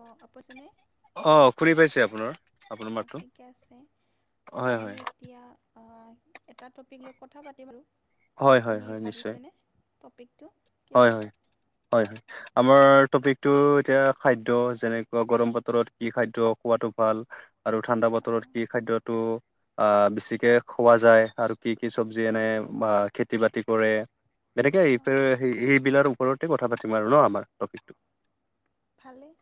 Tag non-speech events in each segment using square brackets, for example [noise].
অ আপচনে অ', শুনি পাইছে আপোনাৰ, আপোনাৰ অ মাতটো ঠিকে আছে। হয়, আমি হয়, এতিয়া- এটা টপিক লৈ কথা পাতি বাৰু হয়, হয়, আপুনি হয়, নিশ্চয়। ভাবিছেনে টপিক- হয় হয় হয় হয় আমাৰ- টপিকতটো এতিয়া খাদ্য যেনেকুৱা গৰম বতৰত কি খাদ্য খোৱাতটো ভাল। আৰু ঠাণ্ডা বতৰত অঁ কি খাদ্যতটো আহ বেছিকে খোৱা যায়। আৰু কি কি চব্জি আনে বা খেতি বাতি কৰে তেনেকে এইফ অঁ এই বিলাৰ ওপৰতে কথা পাতিম আৰু ন আমাৰ টপিকটো ভালেই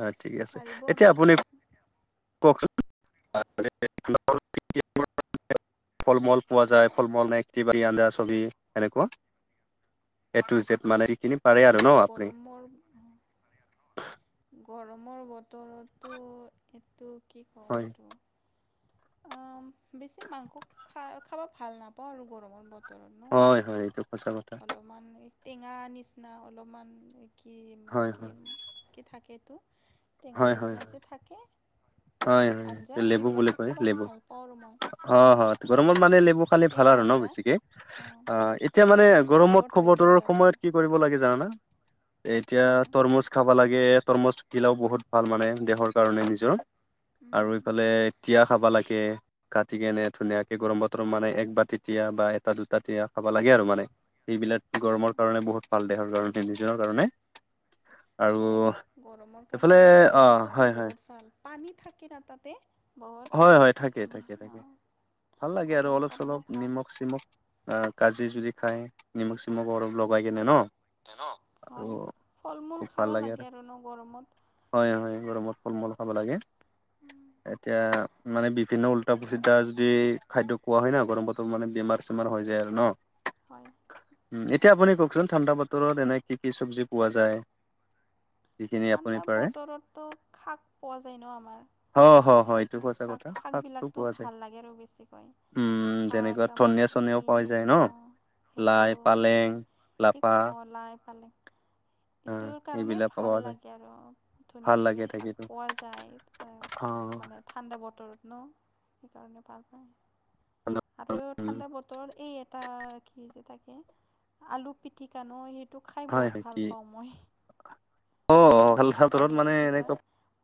হয় ঠিক আছে পাৰিব এতিয়া আমি আপুনি। কওক চোন [unintelligible] [inaudible] ফল মূল পোৱা যায় ফল মূল নে বা কি ছবি সেনেকুৱা এ টু জেড মানে এইখিনি- এতিয়া গৰমৰ গৰমৰ বতৰতো এইটো কি ক'ব হয় এইটো বেছি মাংস খ খাব ভাল নাপাওঁ আৰু গৰমৰ বতৰ হয় হয় এইটো সঁচা কথা এই টেঙা নিচিনা অলপমান কি হয় কি হয় কি থাকে। এইটো টেঙা হয় হয় নিচিনাচ হয় থাকে। হয় হয় আঞ্জা লেবু বুলি এইবিলাকতো কয় খাব লেবু ভাল পাওঁ আৰু মই। অ হয় গৰমত মানে লেবু খালি ভাল টেঙা আৰু ন আঞ্জা বেছিকে অঁ অ এইটোতো চৰ্বত হৈ উত্তৰৰ হ'ল আৰু সময়ত কি কৰিব লাগে জানা না এতিয়া অঁ কোৱা তৰমুজ খাব লাগে তৰমুজ গিলাও বহুত ভাল মানে দেহৰ কাৰণে নিজৰ- আৰু উম, ইফালে তিয়া খাবা লাগে। কে কাটি কেনে ধুনীয়াকে গৰম বতৰম মানে এক বা তিয়া বা এটা দুটা তিয়া খাব লাগে আৰু মানে সেইবিলাক গৰমৰ কাৰণে বহুত ভাল দেহৰ কাৰণ নিজনৰ কাৰণে। আৰু হয় গৰমৰ এইফালে কাৰণে অ তৰমুজটো হয় হয় বহুত ভাল। পানী থাকে ন তাতে বহুত হয় হয় থাকে থাকে থাকে। অঁ, ভাল লাগে আৰু গৰমৰ অলপ কাৰণে চলপ ভাল নিমখ চিমখ আহ কাজি যদি খায় নিমখ চ মৰম লগাই কেনে ন। আৰু হয় ফল মূল খাব লাগে আৰু ন গৰমত হয় হয় গৰমত ফল মূল খাব লাগে। উম। এতিয়া মানে বিভিন্ন ওল্টা পু পচি যদি খাদ্য খোৱা হয় না গৰম পাতত মানে বেমাৰ চেমাৰ হৈ যায়। ন হয়। এতিয়া আপুনি কওকচোন ঠাণ্ডা বতৰত এনে কি কি চবজি পোৱা যায়। যিখিনি আপুনি ঠাণ্ডা পাৰে বতৰতো শাক পোৱা যায় ন হ হ হয় এইটো আমাৰ। সঁচা কথা শাক শাক শাকটো বিলাকতো পোৱা যায় ভাল লাগে আৰু বেছিকৈ উম শাক তেনেকুৱা ধনিয়া মাছলি চনিয়ও পাই যায় ন অঁ সেইটো লাই মানে এক অ লাইন অ এইবিলাক ভাল পাৱা যায়। লাগে আৰু ধুনীয়া ভাল লাগে ধুনীয়া শাক থাকিতো। পোৱা যায় অ'। মানে ঠাণ্ডা বতৰত ন সেইকাৰণে পাৰ পায় আৰু উম, ঠাণ্ডা বতৰত এই এটা কি হৈছে তাকে আলু পিটিকা নো সেই টো খাই হয় বহুত হয় ভাল কি পাওঁ মই। অ অঁ ভাল আলু তৰত মানে পিটিকা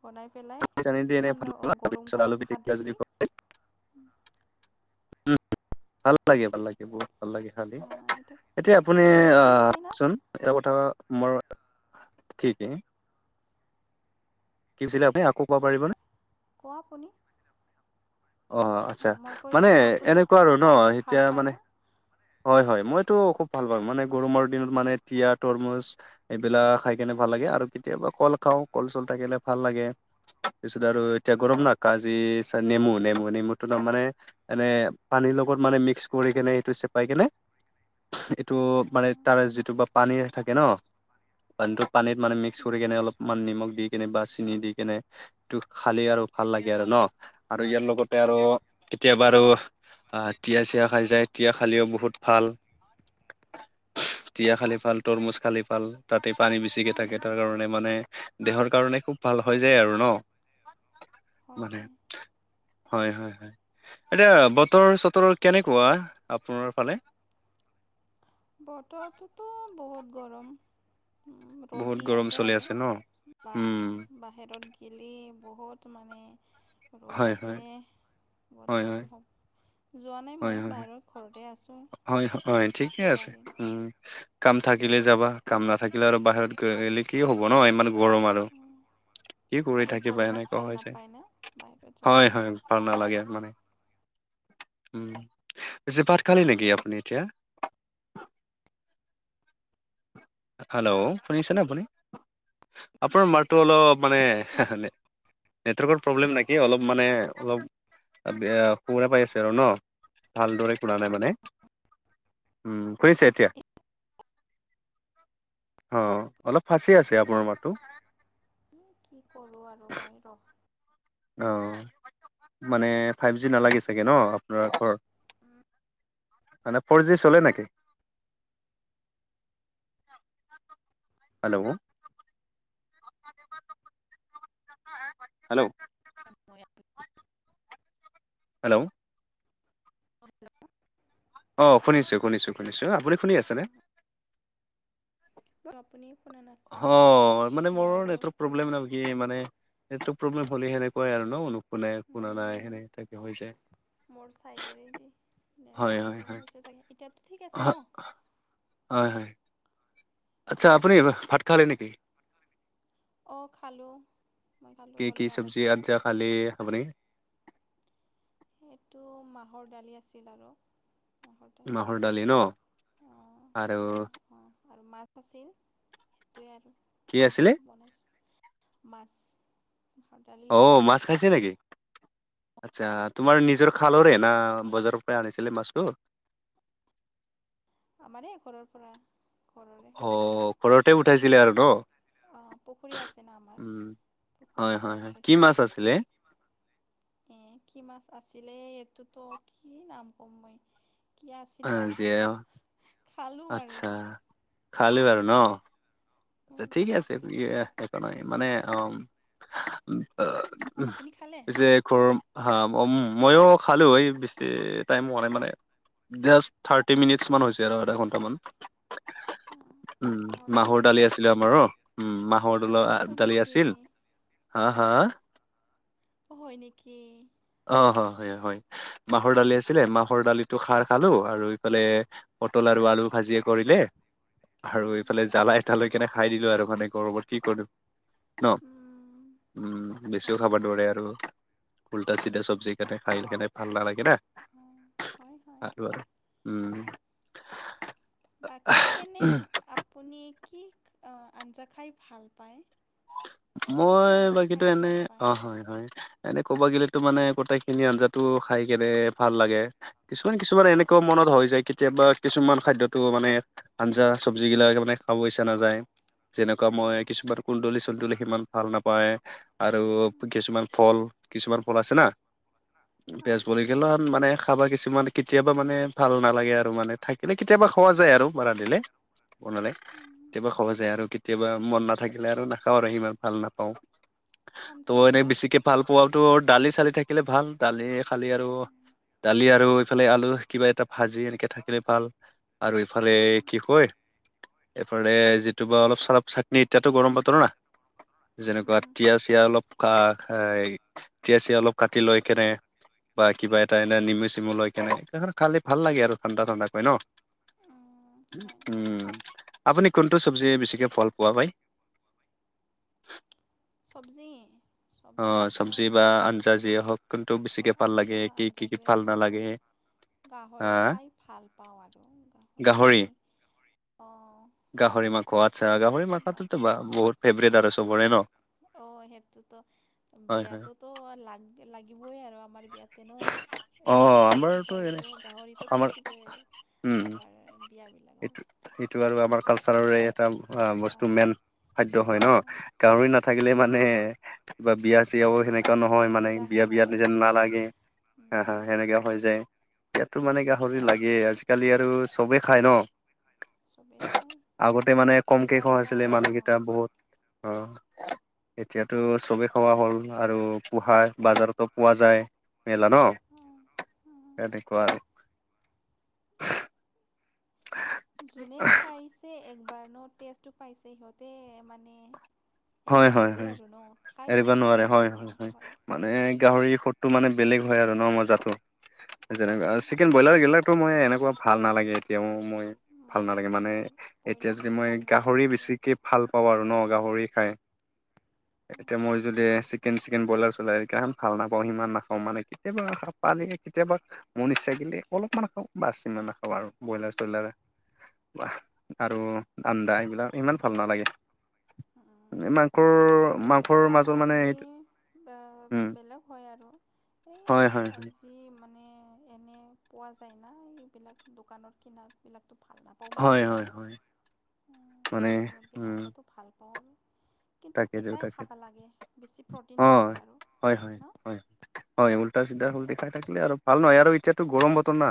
বনাই পেলাই ন দ এনে ঠাণ্ডা অঁ তাৰপিছ আলু পিটিকা যদি খ উম উ ভাল লাগে ভাল লাগে বহুত ভাল লাগে খালি আহ এইটো এতিয়া ভাল আপুনি লাগে আপুনি খায়না আহকচোন ক মোৰ কি কি? কি কছিলে আপুনি আকৌ কব পাৰিবনে? কোৱা আপুনি। অ আচ্ছা অঁ মই মানে কৈছিলোঁ আপুনি এনেকুৱা খা আৰু ন খাই ভাল এতিয়া পায়নে মানে হয় হয় মইতো খুব ভাল পাওঁ মানে গৰমৰ দিনত মানে তিয় তৰমুজ এইবিলাক খাই কেনে ভাল। লাগে আৰু কেতিয়াবা কল খাওঁ কল চল থাকিলে ভাল লাগে তিছত আৰু এতিয়া গৰম না কাজি নেমু নেমু নেমু মানে এ পানীৰ লগত মানে মিক্স কৰি সেইটো চেপ পাই কেনে এইটো মানে উম, তাৰ যিটো বা পানীৰ থাকে ন পানীটো পানীত মানে মিক্স কৰি কেনে অলপমান নিমখ দি কেনে বা চিনি দি কেনে এইটো খালেই আৰু ভাল লাগে আৰু ন। আৰু ইয়াৰ লগতে আৰু কেতিয়াবা আৰু তিয় চিয় খাই যায় তিয় খালেও বহুত ভাল। [inaudible] তিয়া খালি ভাল তৰমুজ খালি ফাল তাতে পানী বেছিকে থাকে উম, তাৰ কাৰণে মানে দেহৰ কাৰণে খুব ভাল হৈ যায় আৰু ন [inaudible] হৈ মানে যায়। হয় হয় হয় এতিয়া বতৰ চতৰ কেনেকুৱা? আপোনাৰ ফালে? বতৰতো বহুত গৰম। ৰ'দ বহুত দি গৰম আছে চলি আৰু ন? উম, বাহিৰত গেলি বহুত মানে ৰ'দ হয় আছে হয়। বহুত হয় হয়, গৰম হ যোৱা নাই হয় মই হয়, বাহিৰৰ ঘৰতে আছোঁ হয় আছিতো হয়, ঠিকে আছে উম কাম থাকিলে যাবা কাম নাথাকিলে আৰু বাহিৰত গ গলে কি হ'ব ন ইমান গৰম আৰু কি কৰি আৰু থাকিবা গৰমত এনেকুৱা ভাল হৈছে নাপায় না বাহিৰত হয় যাবলৈ হয় ভাল নালাগে মানে [inaudible] উ যি পাত খালি নেকি আপুনি এতিয়া হেল্ল' শুনিছে নে আপুনি আপোনাৰ মাতটো অলপ মানে নেটৱৰ্কৰ প্ৰব্লেম নেকি অলপ মানে অলপ সুবুৰা পাই আছে আৰু ন ভালদৰে শুনা নাই মানে উম খুজিছে এতিয়া অ অলপ ফাঁচি আছে আপোনাৰ মতটো কি কৰো আৰু মই ৰ অ মানে ফাইভ জি নালাগে চাগে ন আপোনাৰ ঘৰত। উম, মানে ফৰ জি চলে নেকি? [inaudible] হেল্ল' হেল্ল' [unintelligible] হেল্ল' ক'ত যাবা? অ শুনিছো শুনিছো শুনিছো। আপুনি শুনি আছেনে? আপুনি শুনা হ নাছিল মানে মোৰ মোৰৰ নেটৱৰ্ক পৰা প্ৰব্লেম ন কি মানে। নেটৱৰ্ক প্ৰব্লেম হ'লে সেনেকুৱাই আৰু নুশুনে শুনা নাই উম সেনেকা হৈ যায়। মোৰ ছাইডেৰে দি হয় নেটৰ হয় প্ৰব্লেম হয় হৈছে চাগে এতিয়াতো ঠিক আছে ন। হয় হয় আচ্ছা অঁ আপুনি ভাত খালে নেকি অ' খালো কি কি চব্জি আঞ্জা খালে আপুনি সেইটো মাহৰ দালি আছিল আৰু মাহৰ দালি আৰু আৰু মাছ আছিল সেইটোৱে আৰু কি আছিলে চিম্পিল বনাইছোঁ মাছ মাহৰ দালিৰ অ লগত মাছ খাইছে নেকি আচ্ছা তোমাৰ নিজৰ খালৰে না বজাৰৰ পৰা আনিছিলে মাছটো আমাৰে ঘৰৰ পৰা ঘৰৰে অ ঘৰতে উঠাইছিলে আৰু ন অ পুখুৰী আছে না আমাৰ উম পুখুৰীৰ হয় পৰা হয় হয় কি মাছ আছিলে উঠাইছে এ কি মাছ আছিলে এইটোতো কি নাম কম মই কি আছিল বা জিয় খালোঁ আচ্ছা আৰু খালি আৰু ন ঠিকে আছে আপ একো নাই মানে অ আপুনি খালে? পিছে ঘৰৰ হা উ মইও খালো এই বেছি টাইম মাই মানে জাস্ত থাৰ্টি মিনিটছ মান হৈছে আৰু আধা ঘন্টামান উম মোৰো মাহৰ হৈছে দালি আছে থাৰ্টি আমাৰো মিনিটছ। উম মাহৰৰ অ' হয় দালি নেকি? আছিল হা হা হয় নেকি অ হ হয় হয় মাহৰ দালি আছিলে মাহৰ দালিটো খাৰ খালো আৰু ইফালে পটল আৰু আলু ভা ভাজিয়া কৰিলে আৰু এইফালে জ্বালা এটা লৈ কেনে খাই দিলো আৰু মানে গৰমত কি কৰিম ন উম, উম বেছিও হয়। খাব নোৱাৰে আৰু উল্টা চিধা চব্জি কেনে খাই কেনে ভাল নালাগে না হয় হয়। খালো আৰু উম বাকী এনে আপুনি। কি আঞ্জা খাই ভাল পায়। কি কি মই আঞ্জা বাকীতো খাই এনে ভাল পায়? অ হয় হয়। এনে ক'বা গিললেতো মানে গোটেই খিনি আঞ্জাতটো খাই কেনে ভাল লাগে কিছুমান কিছুমান এনেকুৱা মনত। হৈ যায় কেতিয়াবা কিছুমান খাদ্যটো মানে আঞ্জা চব্জি গিলাকে মানে খাব ইচ্ছা নাযায় যেনেকুৱা মই কিছুমান কুন্দলি চন্দুলি সিমান ভাল নাপায় আৰু কিছুমান ফল কিছুমান ফল আছে না পেজ পৰি গেল মানে খাবা কিছুমান কেতিয়াবা মানে ভাল নালাগে আৰু মানে থ কিন্ত কেতিয়াবা খোৱা যায় আৰু বাৰা দিলে বনালে কেতিয়াবা খোৱা যায় আৰু কেতিয়াবা মন নাথাকিলে আৰু নাখাওঁ আৰুি ইমান ভাল নাপাওঁ ত' এনেক আঞ্জাবিলাক বেছিকে ভাল পোৱটো দালি চালি থাকিলে ভাল দালি খালি আৰু দালি আৰু ইফালে আলু কিবা এটা ভাজি এনেকে থাকিলে ভাল আৰু ইফালে কি কয় এইফালে যিটো বা অলপ চালপ চাটনি এতিয়াতো গৰম বতৰ না যেনেকুৱা তিয়া চিয়া অলপ কাহ তিয়াচি অলপ কাটি লৈ কেনে বা কিবা এটা এনে নিমু চেমু লৈ কেনে খালে ভাল লাগে আৰু ঠাণ্ডা ঠাণ্ডাকৈ ন হয়। উম আপুনি কোন টো চব্জিয় বেছিকে ফল পোৱা পাই চব্জি অ চব্জিটোতো চব্জি বা আঞ্জা যিয়ে হওক কোনটো বেছিকে অঁ ভাল লাগে আঞ্জা কি কি কি আঞ্জাটোৱে ভাল কম নালাগে হয় হা গাহৰি খাই ভাল পাওঁ আৰু গাহৰি অ গাহৰি মাংস আচ্ছা গাহৰি মাখটোতো বহুত ফেভৰেট আৰু চবৰে ন অ সেইটোতো হয় হয় বিয়াতোতো লাগ লাগিবই আৰু আমাৰ বিয়াত ততেনো অ এই সিটোক কি আমাৰতো কয় এনে এইটো গাহৰিতো আমাৰ থাকিবই আৰু উম আমাৰ বিয়াবিলাকৰ এইটো এইটো আৰু আমাৰ কালচাৰৰে এটা বস্তু আহ মেইন। খাদ্য হয় ন গাহৰি নাথাকিলে এইটো মানে হ'ল কিবা বিয়া চিয়াও সেনেকুৱা নহয় মানে আঠুৰাহে বিয়া। বিয়াত হয় নি যেন নালাগে হা হা সেনেকা হৈ যায় বিয়াতো মানে গাহৰি লাগে আজি। আজিকালি আৰু চবেই খায় ন। চবেই খায় আগতে মানে কম কেই কিবা খুৱা এটা হৈছিলে মানুহকেইটা অঁ বহুত অ। এতিয়াতো চবেই খোৱা হ'ল আৰু পোহা বজাৰতো পোৱা যায়। মেলা ন অঁ অঁ সেনেকুৱা আৰু যোনে খাইছে একবাৰ ন টেষ্টটো পাইছে সিহঁতে মানে। এৰিব হয় হয় নোৱাৰে হয় আৰু ন খাই এৰিব থাকে নোৱাৰে আৰু হয় এনেকুৱা হয় মানে গাহৰি। ফ'টো মানে বেলেগ হয় আৰু ন মজাটো। যেনেক চিকেন এইটো ব্ৰইলাৰ গিলাকো হয় মই এনেকুৱা ভাল নালাগে এতিয়াও মই ভাল মোৰো নালাগে মানে এতিয়া যদি ব্ৰইলাৰটো মই ভাল নালাগে গাহৰি মোৰো বেছিকে ভাল পাওঁ আৰু ন গাহৰি খাই। [unintelligible] এতিয়া মই যদি চিকেন চিকেন ব্ৰইলাৰ চলাই তেতিয়া ভাল নাপাওঁ সিমান নাখাওঁ মানে কেতিয়াবা পালে কেতিয়াবা মোৰ ইচ্ছা গিলে অলপমান খাওঁ বাছ হিমান নাখাওঁ আৰু ব্ৰইলাৰ চইলাৰ। আৰু আদা এইবিলাক ইমান ভাল নালাগে মাংস। লোকেল আন্ডা হ'লে উম, বেলেগ হয় আৰু হয়, হয়। এইজি মানে এনে পোৱা যায় না এইবিলাক দোকানৰ কিনা বিলাক ভাল নাপাওঁ মই হয় হয় আন্দাটো হয় মানে লোকেল মুৰ্গীৰৰ উম আন্দাটো ভাল পাওঁ আৰু কিন্তু তাকেতো এটাই খাব তাকেতো লাগে বেছি প্ৰটিন অ থাকে আৰু হয় হয় ন হয়। [unintelligible] খাই থাকিলে আৰু ভাল নহয় আৰু এতিয়াতো গৰম বতৰ না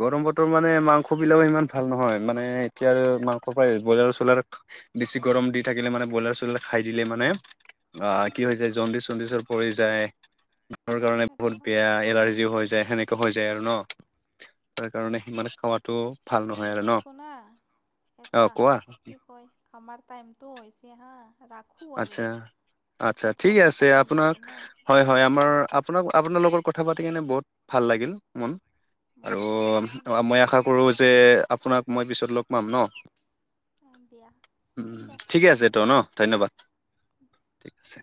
গৰম বতৰ মানে মাংস। সবিলাক ইমান ভাল নহয় মানে এতিয়া আৰু মাংস ব্ৰইলাৰ চলাৰ বেছি গৰম দি থাকিলে মানে ব্ৰইলাৰ। খাই দিলে মানে আহ কি হৈ যায় জণ্ডিছ চডিছৰ পৰি যায়। ৰ অঁ কাৰণে সেইটো বহুত হয় বেয়া এলাৰ্জিও হৈ যায় সেনে হৈ যায় আৰু ন তাৰ কাৰণে সিমানে খাৱাত তো ভাল নহয় আৰু অঁ শুনা ন। অ এটা কোৱা? কি কয় আমাৰ টাইমটো হৈছে হাঁ ৰাখোঁ আৰু আচ্ছা আচ্ছা পিছত ঠিকে কথা আছে পাতিম আপোনাক আৰু ন হয় হয় ঠিকে আমাৰ আছে আপোনাক আপোনাৰ লগত কথা পাতি কেনে বহুত। [unintelligible] ভাল লাগিল মন আৰু মোৰো ভাল লাগিলে মই আশা কৰো যে আপোনাক মই পিছত লগ পাম ন দিয়া উ ঠিকে আছে তো ন ৰাখোঁ ধন্যবাদ। ঠিক আছে।